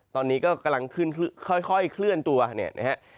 ตอนนี้ก็กำลังขึ้นค่อยเคลื่อนตัวนะครับ